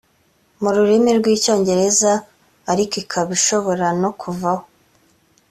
mu rurimi rw icyongereza ariko ikaba ishobora no kuvaho